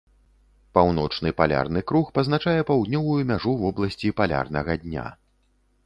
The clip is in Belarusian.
Паўночны палярны круг пазначае паўднёвую мяжу вобласці палярнага дня.